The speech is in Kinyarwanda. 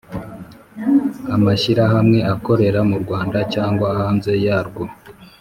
Amashyirahamwe akorera mu Rwanda cyangwa hanze yarwo